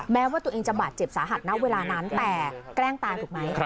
แม้ว่าตัวเองจะบาดเจ็บสาหัสนะเวลานั้นแต่แกล้งตายถูกไหม